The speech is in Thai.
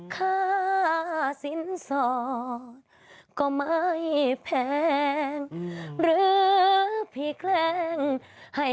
เกียจจรรย์เนาะ